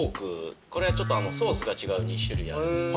これはちょっとソースが違う２種類あるんですけど。